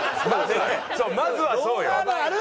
まずはそうよ。